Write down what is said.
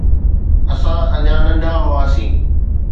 اسان اڃا ننڍا هئاسين.